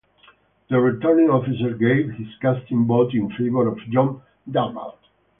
The returning officer gave his casting vote in favour of John Darvall.